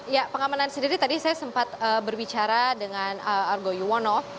ya pengamanan sendiri tadi saya sempat berbicara dengan argo yuwono